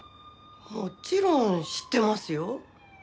もちろん知ってますよ。